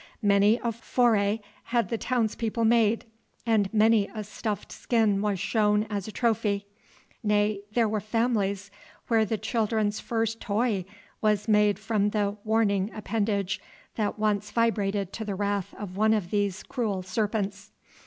Many a foray had the towns people made, and many a stuffed skin was shown as a trophy, nay, there were families where the children's first toy was made from the warning appendage that once vibrated to the wrath of one of these "cruel serpents."